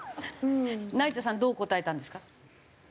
成田さんどう答えたんですか？